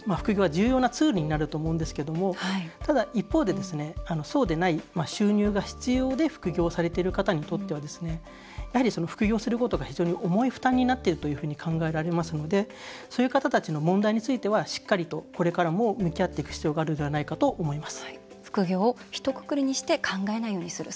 重要なツールになると思いますがただ、一方で、そうではない収入が必要で副業をされている方にとっては副業することが非常に重い負担になっているというふうに考えられますのでそういう人たちの問題についてはしっかりとこれからも向き合っていく必要があると思います。